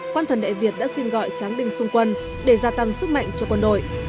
quan thần đại việt đã xin gọi tráng đình sung quân để gia tăng sức mạnh cho quân đội